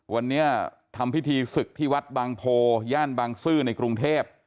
วันนี้ทำพิธีศึกที่วัดบางโพย่านบางซื่อในกรุงเทพ